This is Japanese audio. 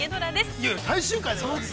◆いよいよ最終回でございます。